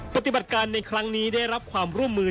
ปฏิบัติการในครั้งนี้ได้รับความร่วมมือ